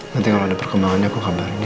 nanti kalau ada perkembangannya aku kabarin ya